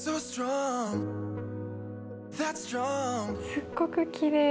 すっごくきれい。